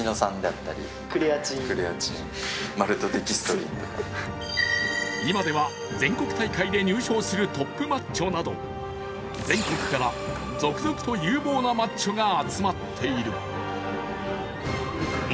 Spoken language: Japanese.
更に今では全国大会で入賞するトップマッチョなど全国から続々と有望なマッチョが集まっている。